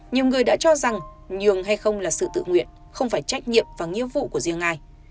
nhiều người đã cho rằng nhường hay không là sự tự nguyện không phải trách nhiệm và nghĩa vụ của riêng ai